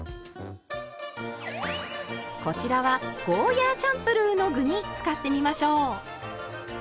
こちらはゴーヤーチャンプルーの具に使ってみましょう。